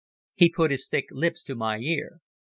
He put his thick lips to my ear.